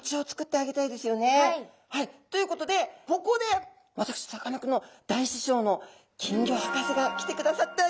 ということでここで私さかなクンの大師匠の金魚博士が来てくださっております。